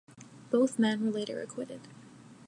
Both men were later acquitted.